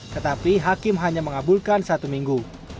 tetapi hakim hanya mengabulkan satu minggu